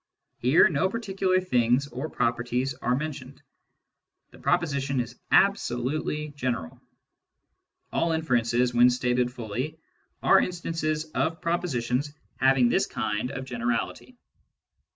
Here no particu lar things or properties are mentioned : the proposition is absolutely general. All inferences, when stated fully, are instances of propositions having this kind of generality.